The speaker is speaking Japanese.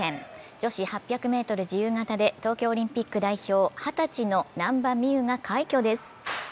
女子８００ｍ自由形で東京オリンピック代表、二十歳の難波実夢が快挙です。